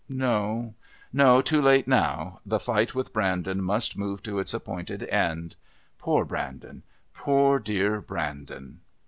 No, no, too late now. The fight with Brandon must move to its appointed end. Poor Brandon! Poor dear Brandon!